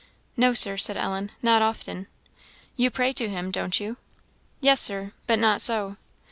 "No, Sir," said Ellen; "not often." "You pray to him, don't you?" "Yes, Sir; but not so."